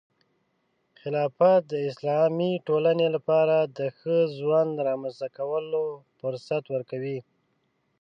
خلافت د اسلامي ټولنې لپاره د ښه ژوند رامنځته کولو فرصت ورکوي.